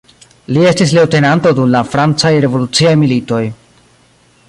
Li estis leŭtenanto dum la francaj revoluciaj militoj.